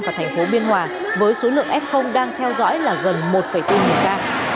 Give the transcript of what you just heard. và thành phố biên hòa với số lượng f đang theo dõi là gần một bốn nghìn ca